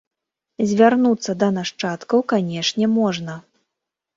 Звярнуцца да нашчадкаў, канешне, можна.